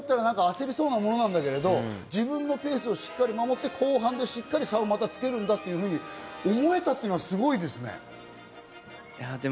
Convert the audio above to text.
焦りそうなものだけれど、自分のペースをしっかり守って、後半でしっかり差を、またつけるんだと思えたというのはすごいですね。